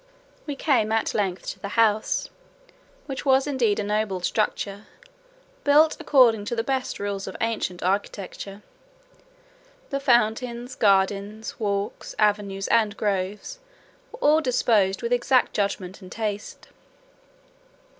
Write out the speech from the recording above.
We came at length to the house, which was indeed a noble structure, built according to the best rules of ancient architecture. The fountains, gardens, walks, avenues, and groves, were all disposed with exact judgment and taste.